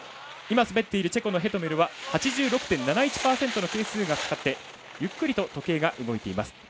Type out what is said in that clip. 今滑っているチェコのヘトメルは８６．７１％の係数がかかってゆっくりと時計が進んでいます。